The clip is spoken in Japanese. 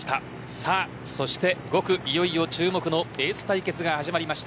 さあ、そして５区いよいよ注目のエース対決が始まりました。